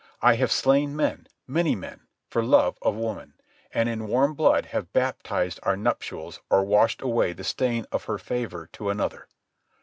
I have slain men, many men, for love of woman, or in warm blood have baptized our nuptials or washed away the stain of her favour to another.